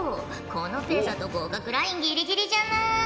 このペースだと合格ラインギリギリじゃな。